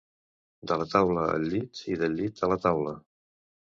De la taula al llit i del llit a la taula.